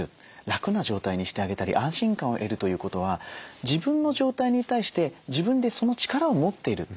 楽な状態にしてあげたり安心感を得るということは自分の状態に対して自分でその力を持っている。